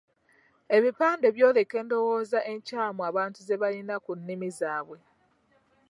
Ebipande byoleka endowooza enkyamu abantu ze balina ku nnimi zaabwe.